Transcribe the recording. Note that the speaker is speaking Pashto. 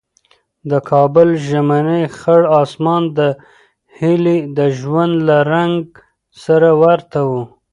د کابل ژمنی خړ اسمان د هیلې د ژوند له رنګ سره ورته و.